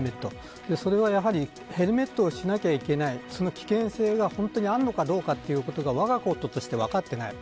それはやはりヘルメットしなきゃいけないその危険性があるのかどうかというのが、わがこととして分かっていない。